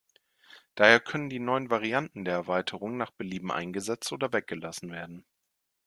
Daher können die neun Varianten der Erweiterung nach Belieben eingesetzt oder weggelassen werden.